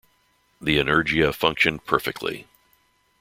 The Energia functioned perfectly.